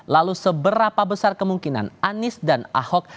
lalu seberapa besar kemungkinan anies dan ahok